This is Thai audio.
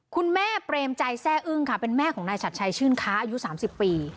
คุณแม่เปรมใจแซ่อึ้งค่ะเป็นแม่ของนายชัดชัยชื่นค้าอายุ๓๐ปี